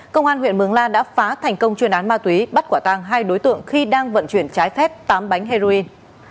công an huyện mường la đã phá thành công chuyên án ma túy bắt quả tàng hai đối tượng khi đang vận chuyển trái phép tám bánh heroin